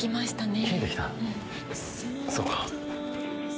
そうか。